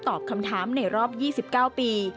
ตอบคำถามในรอบ๒๙ปี